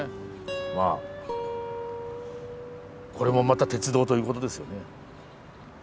まあこれもまた鉄道ということですよね。